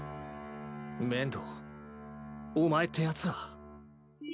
面堂お前ってやつは。